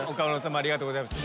ありがとうございます。